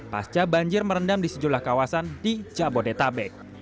pasca banjir merendam di sejumlah kawasan di jabodetabek